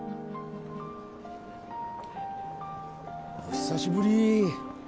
お久しぶり。